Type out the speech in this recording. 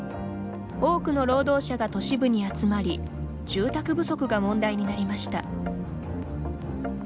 多くの労働者が都市部に集まり住宅不足が問題になりました。